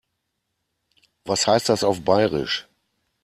Was heißt das auf Bairisch?